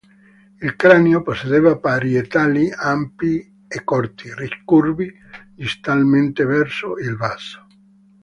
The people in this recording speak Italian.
Il cranio possedeva parietali ampi e corti, ricurvi distalmente verso il basso.